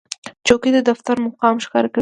چوکۍ د دفتر مقام ښکاره کوي.